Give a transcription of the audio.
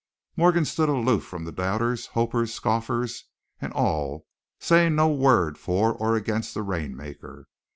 Morgan stood aloof from doubters, hopers, scoffers, and all, saying no word for or against the rainmaker.